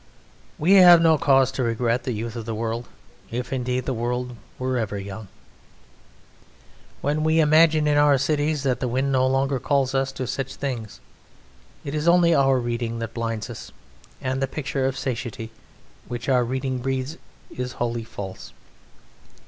We have no cause to regret the youth of the world, if indeed the world were ever young. When we imagine in our cities that the wind no longer calls us to such things, it is only our reading that blinds us, and the picture of satiety which our reading breeds is wholly false.